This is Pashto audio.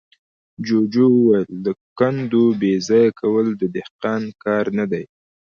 جوجو وويل: د کندو بېځايه کول د دهقان کار نه دی.